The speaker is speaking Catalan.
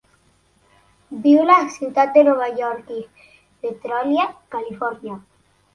Viu a la ciutat de Nova York i Petrolia, Califòrnia.